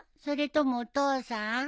それともお父さん？